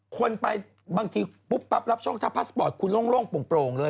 คนไปบางทีปุ๊บปั๊บรับช่องทางพัสปอร์ตคุณโล่งโล่งโปร่งโปร่งเลย